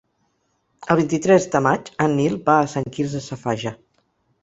El vint-i-tres de maig en Nil va a Sant Quirze Safaja.